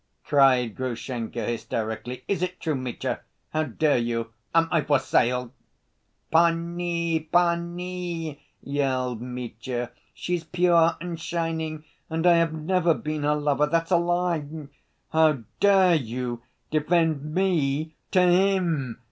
cried Grushenka, hysterically. "Is it true, Mitya? How dare you? Am I for sale?" "Panie, panie!" yelled Mitya, "she's pure and shining, and I have never been her lover! That's a lie...." "How dare you defend me to him?"